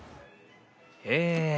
へえ。